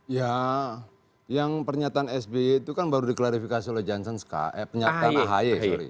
ya yang pernyataan sby itu kan baru diklarifikasi oleh johnson eh pernyataan ahy sorry